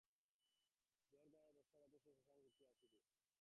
জ্বর গায়ে এই বর্ষার রাত্রে হয়তো সে শ্মশানে ছুটিয়া আসিবে।